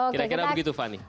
kira kira begitu fanny